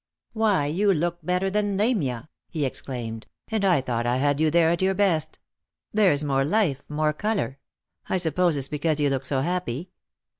" Why you look better than ' Lamia !'" he exclaimed ;" and I thought I had you there at your best. There's more life, more colour. I suppose it's because you look so happy.